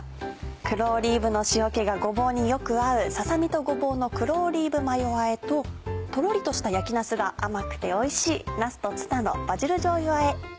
黒オリーブの塩気がごぼうによく合う「ささ身とごぼうの黒オリーブマヨあえ」ととろりとした焼きなすが甘くておいしい「なすとツナのバジルじょうゆあえ」。